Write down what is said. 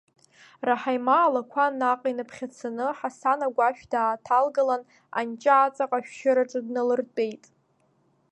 Раҳаима алақәа наҟ инаԥхьацаны, Ҳасан агәашә дааҭалгалан, анҷа аҵаҟа ашәшьыраҿы дналыртәеит.